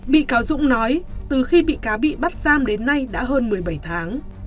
bị cáo dũng nói từ khi bị cáo bị bắt giam đến nay đã hơn một mươi bảy tháng